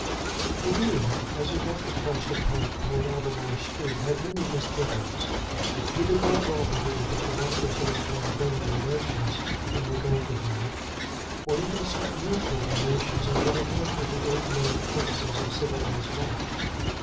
The Dean as he walked across the park towards Albemarle Street had many misgivings. He did not at all believe that the Marquis entertained friendly relations in regard to him, or even such neutral relations as would admit of the ordinary courtesies of civilized life.